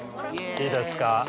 いいですか？